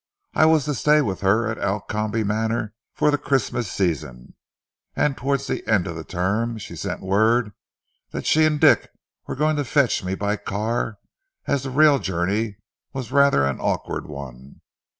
I was to stay with her at Alcombe Manor for the Christmas season, and towards the end of the term she sent word that she and Dick were going to fetch me by car, as the rail journey was rather an awkward one....